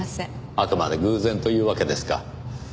あくまで偶然というわけですか。